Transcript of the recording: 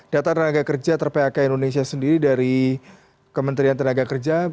data tenaga kerja ter phk indonesia sendiri dari kementerian tenaga kerja